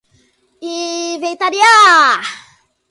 inventariar